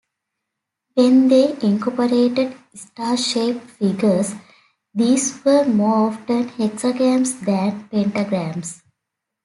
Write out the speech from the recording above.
When they incorporated star-shaped figures, these were more often hexagrams than pentagrams.